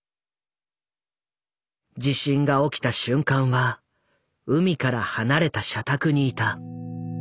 地震が起きた瞬間は海から離れた社宅にいた。